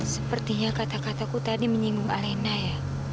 sepertinya kata kataku tadi menyinggung arena ya